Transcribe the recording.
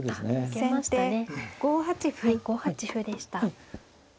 はい５八歩でした。